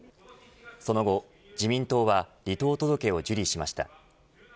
その後、自民党は離党届を受理しました。